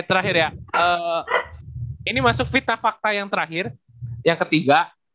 terakhir ya ini masuk fita fakta yang terakhir yang ketiga